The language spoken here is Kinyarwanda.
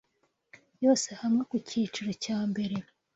yose hamwe ku cyiciro cya mbere